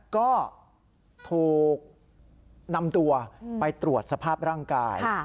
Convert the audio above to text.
ก็ถูกนำตัวไปตรวจสภาพร่างกาย